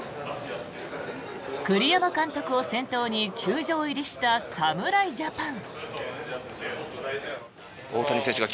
栗山監督を先頭に球場入りした侍ジャパン。